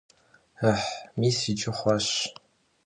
Ыхьы, мис иджы хъуащ!